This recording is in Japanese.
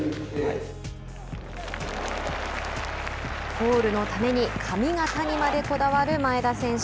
ゴールのために髪形にまでこだわる前田選手。